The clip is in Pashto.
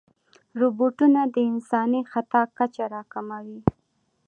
روبوټونه د انساني خطا کچه راکموي.